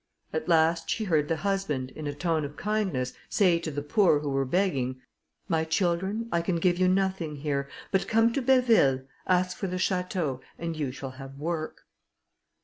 At last she heard the husband, in a tone of kindness, say to the poor who were begging, "My children, I can give you nothing here; but come to Béville, ask for the château, and you shall have work."